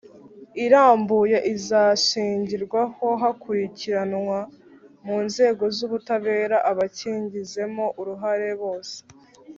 irambuye izashingirwaho hakurikiranwa mu nzego z ubutabera abakigizemo uruhare bose